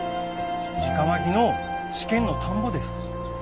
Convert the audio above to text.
じかまきの試験の田んぼです。